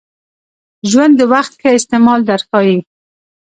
ژوند د وخت ښه استعمال در ښایي .